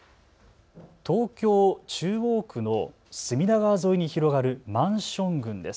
東京中央区の隅田川沿いに広がるマンション群です。